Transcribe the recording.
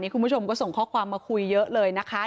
คุณผู้ชมก็ส่งข้อความมาคุยเยอะเลยนะคะ